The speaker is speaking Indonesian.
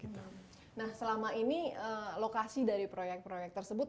nah selama ini lokasi dari proyek proyek tersebut